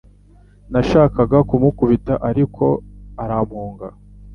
Nashakaga kumukubita, ariko arampunga.